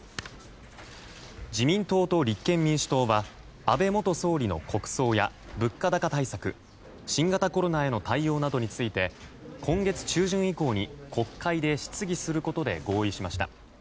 自民党と立憲民主党は安倍元総理の国葬や物価高対策新型コロナへの対応などについて今月中旬以降に国会で質疑することで合意しました。